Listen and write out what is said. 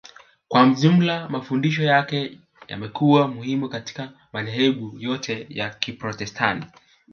Kwa jumla mafundisho yake yamekuwa muhimu katika madhehebu yote ya Kiprotestanti